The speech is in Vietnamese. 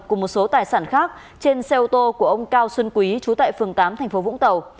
cùng một số tài sản khác trên xe ô tô của ông cao xuân quý chú tại phường tám tp vũng tàu